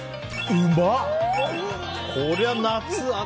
うまっ！